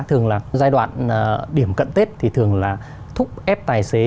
thường là giai đoạn điểm cận tết thì thường là thúc ép tài xế